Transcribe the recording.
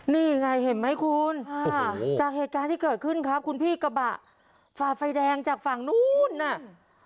นี่ไงเห็นไหมคุณค่ะจากเหตุการณ์ที่เกิดขึ้นครับคุณพี่กระบะฝ่าไฟแดงจากฝั่งนู้นน่ะ